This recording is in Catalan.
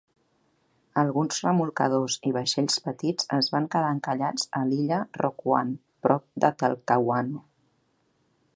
Alguns remolcadors i vaixells petits es van quedar encallats a l'illa Rocuant prop de Talcahuano.